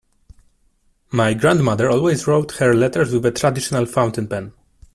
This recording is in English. My grandmother always wrote her letters with a traditional fountain pen.